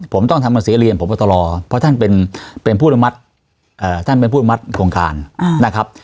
ผมต้องทำหนังสือเรียนพบตรเพราะท่านเป็นผู้อนุมัติท่านเป็นผู้อนุมัติโครงการนะครับ